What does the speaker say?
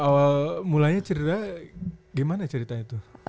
awal mulanya cedera gimana ceritanya tuh